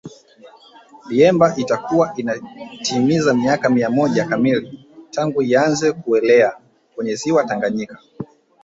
Liemba itakuwa inatimiza miaka mia moja kamili tangu ianze kuelea kwenye Ziwa Tanganyika